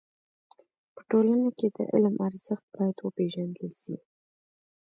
په ټولنه کي د علم ارزښت بايد و پيژندل سي.